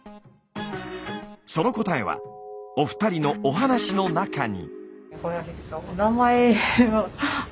その答えはお二人のお話の中に。